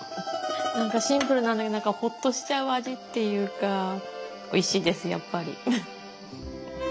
何かシンプルなんだけどホッとしちゃう味っていうかおいしいですやっぱり。